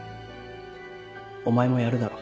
お前もやるだろ？